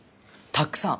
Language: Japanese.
たっくさん。